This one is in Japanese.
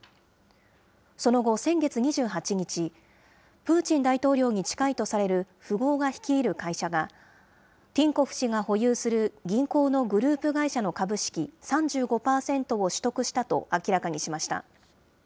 その後、先月２８日、プーチン大統領に近いとされる富豪が率いる会社が、ティンコフ氏が保有する銀行のグループ会社の株式３５％を取得したと明らかにしました。